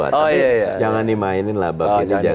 tapi jangan dimainin labanyak